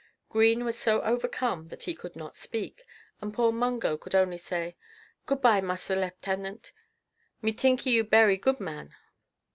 Green was so overcome that he could not speak, and poor Mungo could only say, "Good by, massa leptenant, me tinkee you berry good man."